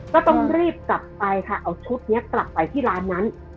ก็ต้องรีบกลับไปค่ะเอาชุดนี้กลับไปที่ร้านนั้น